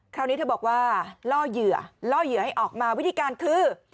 คราวนี้เธอบอกว่าล่อเหยื่อล่อเหยื่อให้ออกมาวิธีการคือ